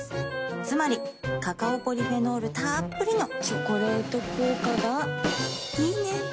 つまりカカオポリフェノールたっぷりの「チョコレート効果」がいいね。